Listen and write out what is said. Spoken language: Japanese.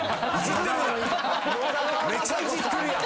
めちゃイジってるやん。